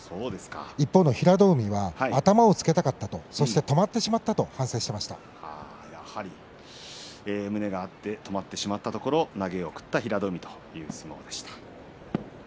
一方の平戸海、頭をつけたかった、しかし止まってしまったと反省してい胸が合って止まってしまったところで投げを食った平戸海でした。